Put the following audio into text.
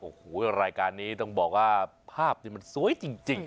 โอ้โหรายการนี้ต้องบอกว่าภาพนี้มันสวยจริง